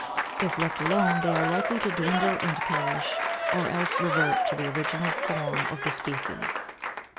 If left alone, they are likely to dwindle and perish, or else revert to the original form of the species.